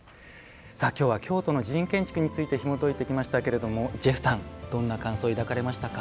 今日は京都の寺院建築についてひもといていきましたけどジェフさんどんな感想を抱かれましたか。